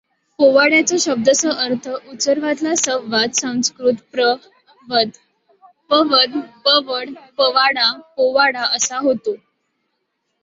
पोवाड्याचा शब्दश अर्थ उच्चरवातला संवाद संस्कृत प्र वद पवद पवड पवाडा पोवाडा असा होतो.